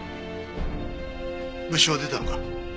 物証は出たのか？